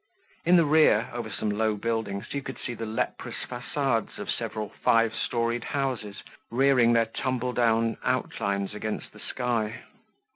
In the rear, over some low buildings, you could see the leprous facades of several five storied houses rearing their tumble down outlines against the sky.